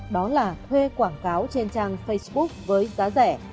đó là thuê quảng cáo trên trang facebook với giá rẻ